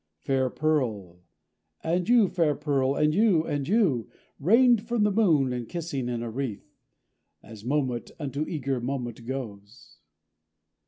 Fair pearl, and you, fair pearl, and you and you, Rained from the moon, and kissing in a wreath, As moment unto eager moment goes!